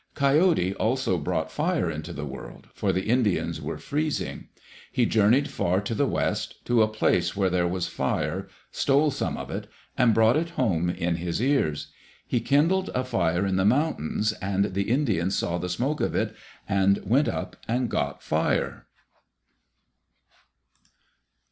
Coyote also brought fire into the world, for the Indians were freezing. He journeyed far to the west, to a place where there was fire, stole some of it, and brought it home in his ears. He kindled a fire in the mountains, and the Indians saw the smoke of it, and went up and got fire.